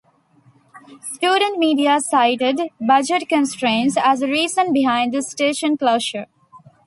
Student Media cited budget constraints as the reason behind the station closure.